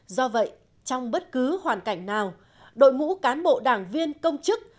do vậy trong bất cứ hoàn cảnh nào đội ngũ cán bộ đảng viên công chức